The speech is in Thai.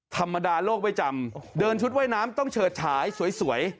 ธรรมดาโลกไม่จำเดินชุดว่ายน้ำต้องเฉิดฉายสวย